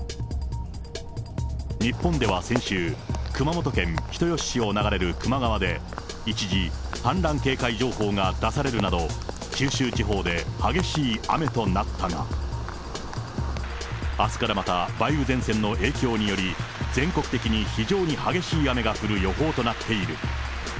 日本では先週、熊本県人吉市を流れる球磨川で、一時、氾濫警戒情報が出されるなど、九州地方で激しい雨となったが、あすからまた梅雨前線の影響により、全国的に非常に激しい雨が降る予想となっている。